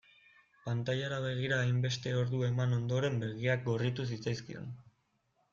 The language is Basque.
Pantailara begira hainbeste ordu eman ondoren begiak gorritu zitzaizkion.